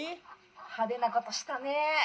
「派手なことしたねえ」。